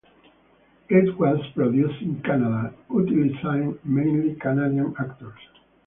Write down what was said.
It was produced in Canada, utilizing mainly Canadian actors.